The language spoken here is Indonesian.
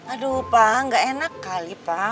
aduh pak nggak enak kali pak